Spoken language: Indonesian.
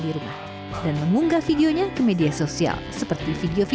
apakah mungkin art